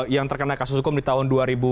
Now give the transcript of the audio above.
yang terkena kasus hukum di tahun dua ribu dua